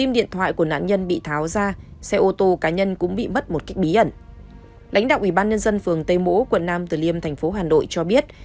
lãnh đạo ủy ban nhân dân phường tây mỗ quận năm từ liêm thành phố hà nội cho biết